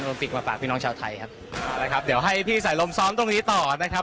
ปิกมาฝากพี่น้องชาวไทยครับนะครับเดี๋ยวให้พี่สายลมซ้อมตรงนี้ต่อนะครับ